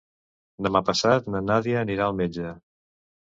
Demà passat na Nàdia anirà al metge.